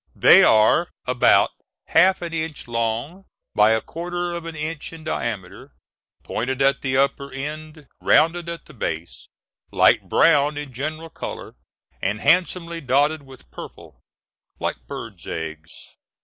They are about half an inch long by a quarter of an inch in diameter, pointed at the upper end, rounded at the base, light brown in general color, and handsomely dotted with purple, like birds' eggs.